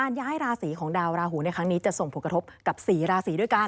ย้ายราศีของดาวราหูในครั้งนี้จะส่งผลกระทบกับ๔ราศีด้วยกัน